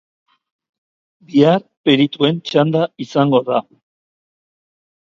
Bihar perituen txanda izango da.